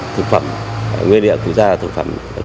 thực phẩm nguyên liệu của gia thực phẩm